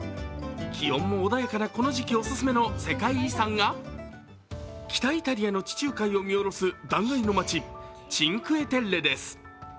気温も穏やかなこの時期おすすめの世界遺産が北イタリアの地中海を見下ろす断崖の町、チンクエ・テッレです。